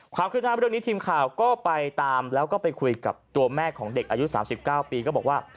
ขึ้นหน้าเรื่องนี้ทีมข่าวก็ไปตามแล้วก็ไปคุยกับตัวแม่ของเด็กอายุ๓๙ปีก็บอกว่า